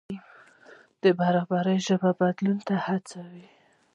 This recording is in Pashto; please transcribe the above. د برابرۍ ژبه بدلون ته هڅوي.